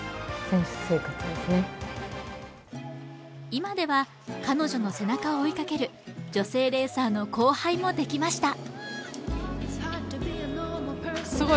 今では彼女の背中を追いかける女性レーサーの後輩もできました。